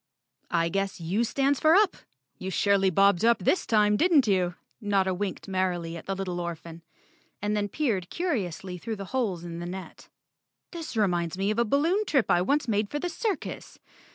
"I guess U stands for Up. You surely bobbed up this time, didn't you?" Notta winked merrily at the little orphan, and then peered curiously through the holes in the net. "This reminds me of a balloon trip I once made for the circus.